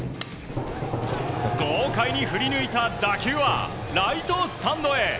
豪快に振り抜いた打球はライトスタンドへ。